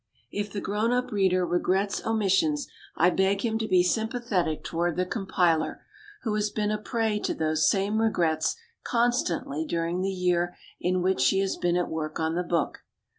If the grown up reader regrets omissions, I beg him to be sympathetic toward the compiler, who has been a prey to those same regrets constantly during the year in which she has been at work on the book.